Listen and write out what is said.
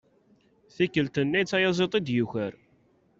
Tikkelt-nni d tayaẓiḍt i d-yuker.